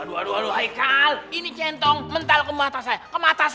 aduh aduh aduh haikal ini centong mental ke mata saya ke mata saya maafin haikal ya ustaz giti